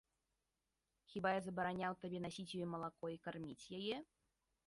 Хіба я забараняў табе насіць ёй малако і карміць яе?